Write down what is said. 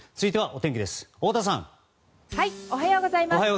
おはようございます。